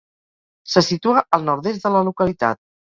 Se situa al nord-est de la localitat.